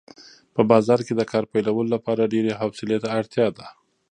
په بازار کې د کار پیلولو لپاره ډېرې حوصلې ته اړتیا ده.